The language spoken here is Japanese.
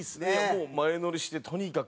もう前乗りしてとにかく。